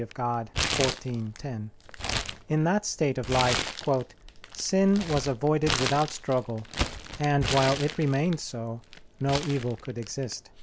Dei xiv, 10), in that state of life "sin was avoided without struggle, and while it remained so, no evil could exist."